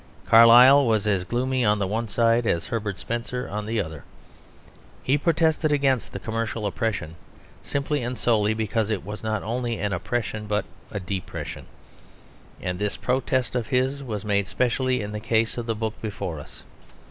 Carlyle was as gloomy on the one side as Herbert Spencer on the other. He protested against the commercial oppression simply and solely because it was not only an oppression but a depression. And this protest of his was made specially in the case of the book before us.